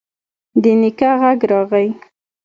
د نيکه غږ راغی: